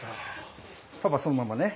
パパそのままね。